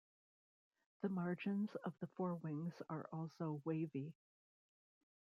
The margins of the forewings are also wavy.